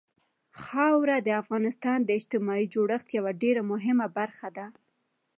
خاوره د افغانستان د اجتماعي جوړښت یوه ډېره مهمه برخه ده.